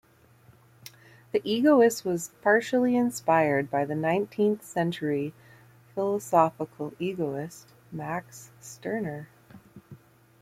"The Egoist" was partially inspired by the nineteenth-century philosophical egoist Max Stirner.